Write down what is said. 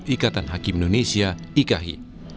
ikatan hakim indonesia ikai